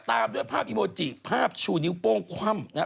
ตามด้วยภาพอีโมจิภาพชูนิ้วโป้งคว่ำนะฮะ